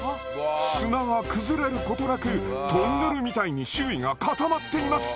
砂が崩れることなくトンネルみたいに周囲が固まっています！